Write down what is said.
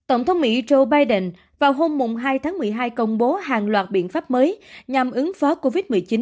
ông trump vào hôm hai tháng một mươi hai công bố hàng loạt biện pháp mới nhằm ứng phó covid một mươi chín